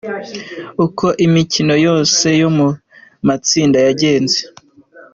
Uko imikino yose yo mu matsinda yagenze:.